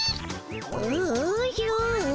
おおじゃ。